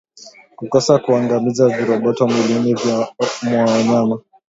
Kukosa kuangamiza viroboto mwilini mwa wanyama